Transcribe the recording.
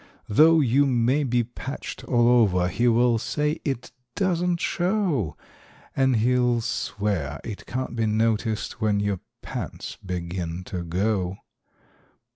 Though you may be patched all over he will say it doesn't show, And he'll swear it can't be noticed when your pants begin to go.